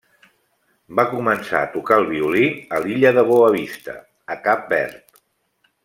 Va començar a tocar el violí a l'illa de Boa Vista, a Cap Verd.